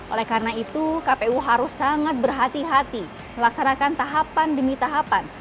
oleh karena itu kpu harus sangat berhati hati melaksanakan tahapan demi tahapan